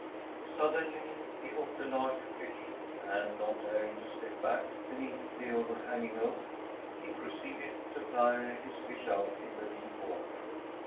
Suddenly he hooked a larger fish, and, not daring to step back beneath the overhanging oak, he proceeded to tire his fish out in the deep water.